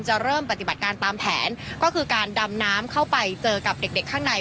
เริ่มปฏิบัติการตามแผนก็คือการดำน้ำเข้าไปเจอกับเด็กเด็กข้างใน